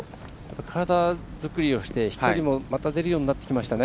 体作りをして飛距離も出てくるようになりましたね。